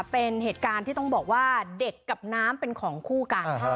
เป็นเหตุการณ์ที่ต้องบอกว่าเด็กกับน้ำเป็นของคู่กัน